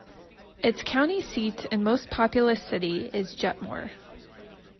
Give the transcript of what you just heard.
Its county seat and most populous city is Jetmore.